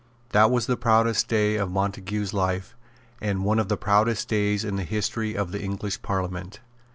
That was the proudest day of Montague's life, and one of the proudest days in the history of the English Parliament.